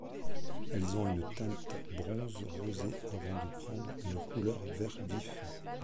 Elles ont une teinte bronze rosé avant de prendre une couleur vert vif.